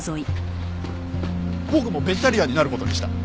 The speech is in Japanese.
僕もベジタリアンになる事にした。